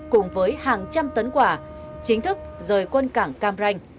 cùng với hàng trăm tấn quả chính thức rời quân cảng cam ranh